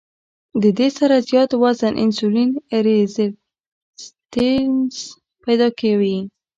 د دې سره زيات وزن انسولين ريزسټنس پېدا کوي